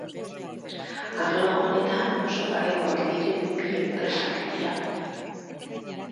Arlo honetan oso parekoak diren bi enpresak dira.